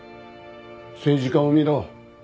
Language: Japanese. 政治家を見ろ。